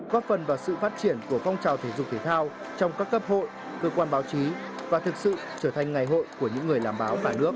góp phần vào sự phát triển của phong trào thể dục thể thao trong các cấp hội cơ quan báo chí và thực sự trở thành ngày hội của những người làm báo cả nước